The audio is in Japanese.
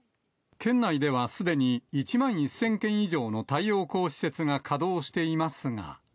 県内ではすでに１万１０００件以上の太陽光施設が稼働しています